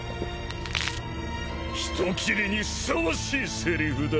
人斬りにふさわしいせりふだ！